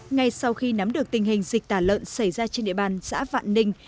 ngay sau khi nắm được tình hình dịch tả lợn xảy ra trên địa bàn xã vạn ninh